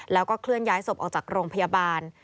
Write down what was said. แล้วก็เคลื่อนย้ายศพออกจากโรงพยาบาล